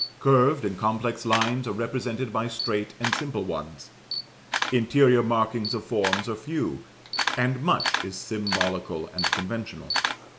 Curved and complex lines are represented by straight and simple ones; interior markings of forms are few, and much is symbolical and conventional.